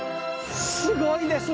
すごいですね！